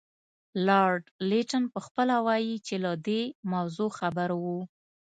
لارډ لیټن پخپله وایي چې له دې موضوع خبر وو.